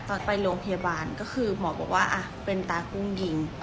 ตอนไปโรงพยาบาลก็คือหมอบอกว่าเป็นตากุ้งยิง